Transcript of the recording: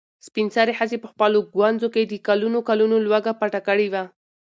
سپین سرې ښځې په خپلو ګونځو کې د کلونو کلونو لوږه پټه کړې وه.